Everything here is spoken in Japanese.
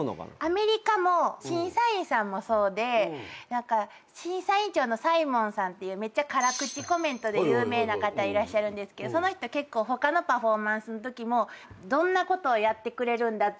アメリカも審査員さんもそうで審査員長のサイモンさんっていうめっちゃ辛口コメントで有名な方いらっしゃるんですけどその人結構他のパフォーマンスのときもどんなことをやってくれるんだって。